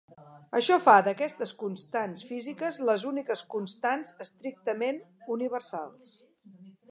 Això fa d'aquestes constants físiques les úniques constants estrictament universals.